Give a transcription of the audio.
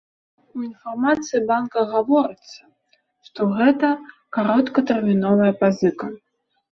У інфармацыі банка гаворыцца, што гэта кароткатэрміновая пазыка.